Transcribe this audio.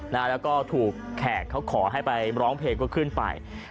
และถูกน้ำแขกเค้าขอให้ไปร้องเพลงก็ขึ้นไป